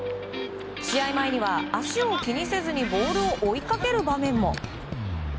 試合前には足を気にせずにボールを追いかける場面も。